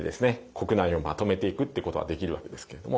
国内をまとめていくってことはできるわけですけれども。